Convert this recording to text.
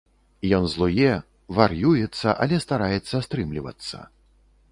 Ён злуе, вар'юецца, але стараецца стрымлівацца.